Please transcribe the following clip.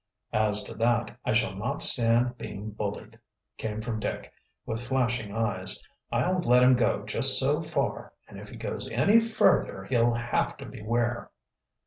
"As to that, I shall not stand being bullied," came from Dick, with flashing eyes. "I'll let him go just so far, and if he goes any further he'll have to beware."